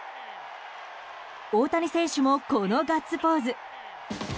大谷選手もこのガッツポーズ。